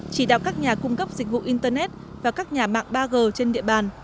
chỉ đạo các nhà cung cấp dịch vụ internet và các nhà mạng ba g trên địa bàn